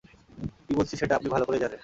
কী বলছি সেটা আপনি ভালো করেই জানেন।